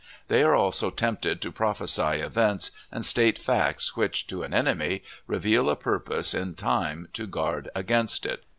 They are also tempted to prophesy events and state facts which, to an enemy, reveal a purpose in time to guard against it.